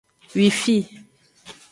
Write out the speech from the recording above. Wifi.